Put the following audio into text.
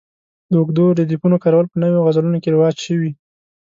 د اوږدو ردیفونو کارول په نویو غزلونو کې رواج شوي.